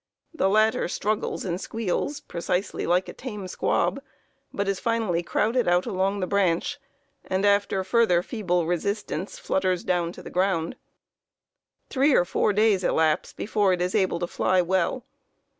The latter struggles and squeals precisely like a tame squab, but is finally crowded out along the branch, and after further feeble resistance flutters down to the ground. Three or four days elapse before it is able to fly well.